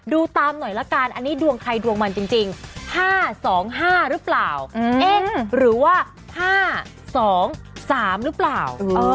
ดูตามหน่อยละกันอันนี้ดวงใครดวงมันจริง๕๒๕หรือเปล่าเอ๊ะหรือว่า๕๒๓หรือเปล่า